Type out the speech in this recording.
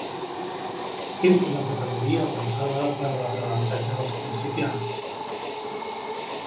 És una categoria pensada per a l'aprenentatge dels principiants.